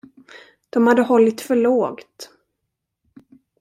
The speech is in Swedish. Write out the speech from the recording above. De hade hållit för lågt.